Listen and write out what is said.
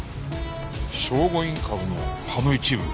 聖護院かぶの葉の一部？